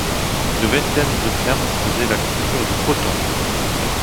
Une vingtaine de fermes faisaient la culture du coton.